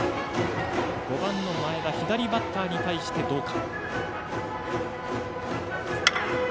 ５番の前田左バッターに対して、どうか。